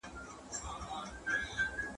دوی به دواړه وي سپاره اولس به خر وي ,